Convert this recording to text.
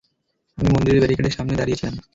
আমি মন্দিরের ব্যারিকেডের সামনে দাঁড়িয়ে ছিলাম।